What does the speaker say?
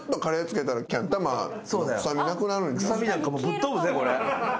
臭みなんかぶっ飛ぶぜこれ。